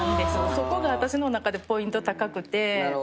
そこが私の中でポイント高くて。